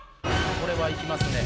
これはいきますね。